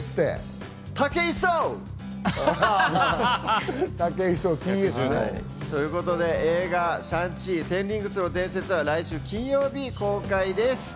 武井壮！ということで映画『シャン・チー／テン・リングスの伝説』は来週金曜日公開です。